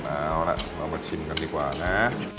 เอาล่ะเรามาชิมกันดีกว่านะ